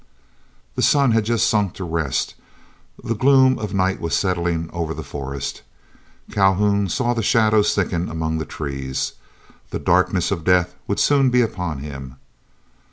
The sun had just sunk to rest; the gloom of night was settling over the forest. Calhoun saw the shadows thicken among the trees. The darkness of death would soon be upon him.